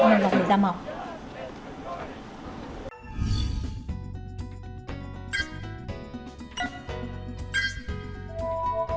không được được đảm bảo